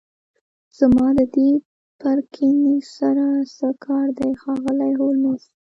زما د دې پرکینز سره څه کار دی ښاغلی هولمز